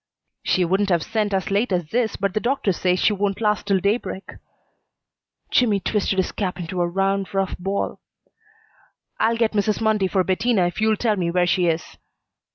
"She wouldn't have sent as late as this, but the doctor says she won't last till daybreak." Jimmy twisted his cap into a round, rough ball. "I'll get Mrs. Mundy for Bettina if you'll tell me where she is."